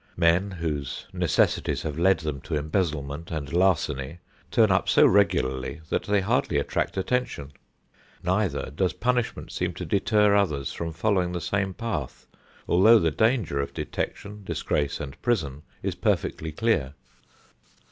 Men whose necessities have led them to embezzlement and larceny turn up so regularly that they hardly attract attention. Neither does punishment seem to deter others from following the same path although the danger of detection, disgrace and prison is perfectly clear.